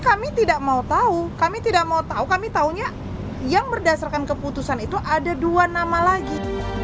kami tidak mau tahu kami tidak mau tahu kami tahunya yang berdasarkan keputusan itu ada dua nama lagi